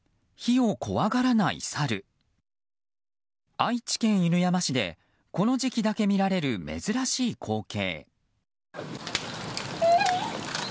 愛知県犬山市でこの時期だけ見られる珍しい光景。